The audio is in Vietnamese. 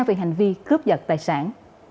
về hành vi cướp giật tài sản